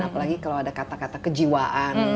apalagi kalau ada kata kata kejiwaan